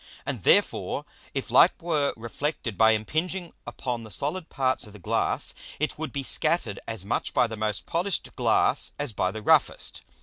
And therefore if Light were reflected by impinging upon the solid parts of the Glass, it would be scatter'd as much by the most polish'd Glass as by the roughest.